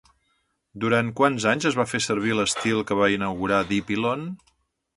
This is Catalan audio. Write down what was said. Durant quants anys es va fer servir l'estil que va inaugurar Dípilon?